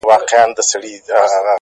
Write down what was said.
ما به له زړه درته ټپې په زړه کي وويلې;